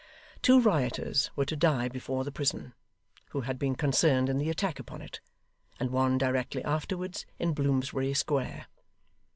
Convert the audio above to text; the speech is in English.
Two rioters were to die before the prison, who had been concerned in the attack upon it; and one directly afterwards in Bloomsbury Square.